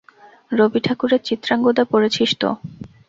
রবি ঠাকুরের চিত্রাঙ্গদা পড়েছিস তো?